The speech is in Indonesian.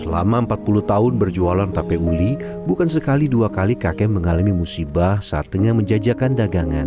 selama empat puluh tahun berjualan tape uli bukan sekali dua kali kakek mengalami musibah saat tengah menjajakan dagangan